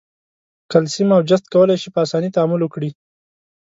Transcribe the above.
کلسیم او جست کولای شي په آساني تعامل وکړي.